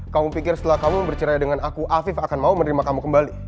kamu pikir setelah kamu bercerai dengan aku afif akan mau menerima kamu kembali